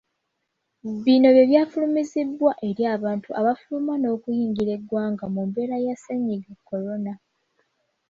Bino bye byafulumizibwa eri abantu abafuluma n'okuyingira eggwanga mu mbeera ya ssennyiga korona.